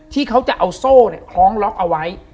ที่เขาจะเอาโซ่คล้องล็อกเอาไว้